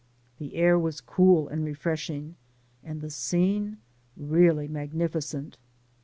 The air was cool and refresh ing, and the scene really magnificent.